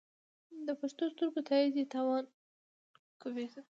د پټو سترګو تایید یې تاوان کوي.